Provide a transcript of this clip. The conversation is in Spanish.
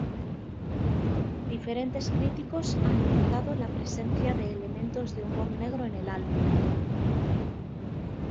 Diferentes críticos han notado la presencia de elementos de humor negro en el álbum.